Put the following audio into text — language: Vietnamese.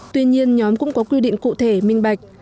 tuy nhiên nhóm cũng có quy định cụ thể minh bạch